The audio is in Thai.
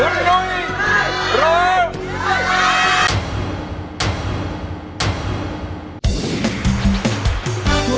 ได้